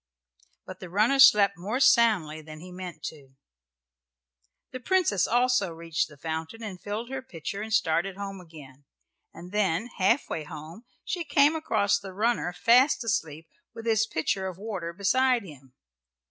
But the runner slept more soundly than he meant to do. The Princess also reached the fountain and filled her pitcher and started home again, and then, half way home, she came across the runner fast asleep with his pitcher of water beside him.